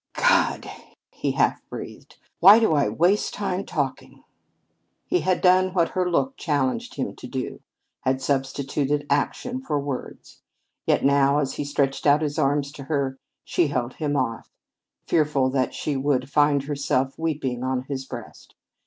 "God!" he half breathed, "why do I waste time talking?" He had done what her look challenged him to do, had substituted action for words, yet now, as he stretched out his arms to her, she held him off, fearful that she would find herself weeping on his breast.